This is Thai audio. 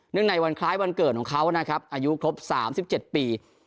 ในวันคล้ายวันเกิดของเขานะครับอายุครบ๓๗ปี